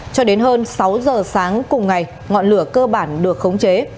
cho đến hơn sáu giờ sáng cùng ngày ngọn lửa cơ bản được khống chế